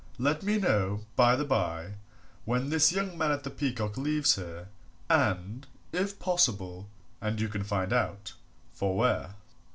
Let me know, by the by, when this young man at the Peacock leaves here, and, if possible and you can find out for where."